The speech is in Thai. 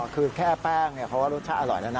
คือแค่แป้งเพราะว่ารสชาติอร่อยแล้วนะ